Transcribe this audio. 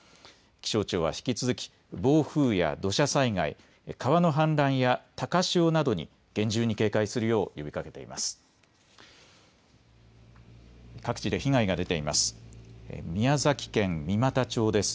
気象庁は引き続き暴風や土砂災害、川の氾濫や高潮などに厳重に警戒するよう呼びかけています。